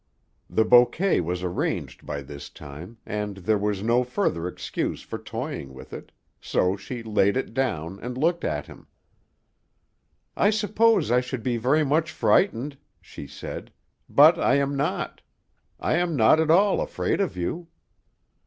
The bouquet was arranged by this time, and there was no further excuse for toying with it, so she laid it down, and looked at him. "I suppose I should be very much frightened," she said, "but I am not. I am not at all afraid of you."